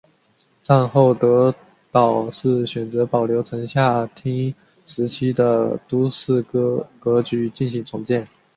战后德岛市选择保留城下町时期的都市格局进行重建。